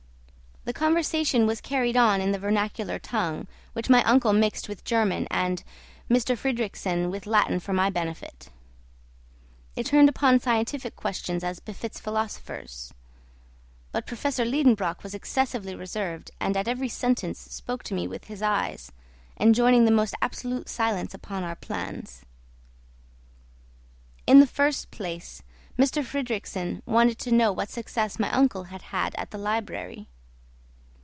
The conversation was carried on in the vernacular tongue, which my uncle mixed with German and M. Fridrikssen with Latin for my benefit. It turned upon scientific questions as befits philosophers; but Professor Liedenbrock was excessively reserved, and at every sentence spoke to me with his eyes, enjoining the most absolute silence upon our plans. In the first place M. Fridrikssen wanted to know what success my uncle had had at the library.